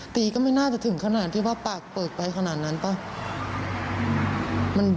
ก็ไม่น่าจะถึงขนาดที่ว่าปากเปลือกไปขนาดนั้นป่ะ